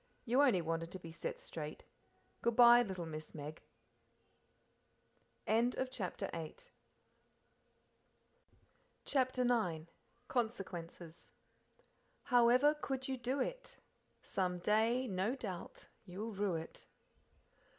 you only wanted to be set straight. Good bye, little Miss Meg." CHAPTER IX Consequences "However could you do it? Some day, no doubt, you'll rue it!"